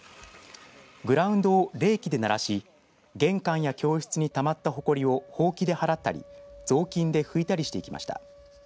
グラウンドをレーキでならし玄関や教室にたまったほこりをほうきで払ったり雑巾で拭いたりしていきました。